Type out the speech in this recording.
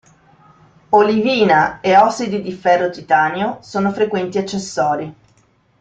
Olivina e ossidi di ferro-titanio sono frequenti accessori.